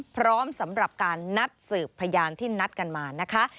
พร้อมสำหรับการนัดสืบพยานที่นัดกันมานะคะ